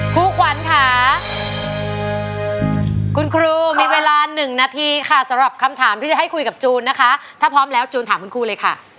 ครูควัญถ้าคุณครูมีเวลาหนึ่งนาทีข่าวสร้อมคำถามติดให้คุยกับจูนนะคะถ้าพร้อมแล้วจูนถามคุณคุณเลยค่ะ